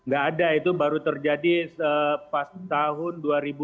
gak ada itu baru terjadi pas tahun dua ribu sepuluh dua ribu sebelas